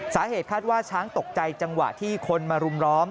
สาเหตุคาดว่าช้างตกใจจังหวะที่คนมารุมล้อม